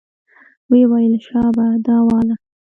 ويې ويل شابه دا واله.